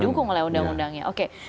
didukung oleh undang undang ya oke